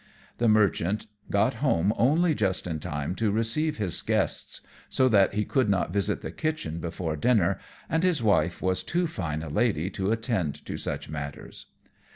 The Merchant got home only just in time to receive his guests, so that he could not visit the kitchen before dinner, and his wife was too fine a lady to attend to such matters.